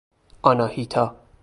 آناهیتا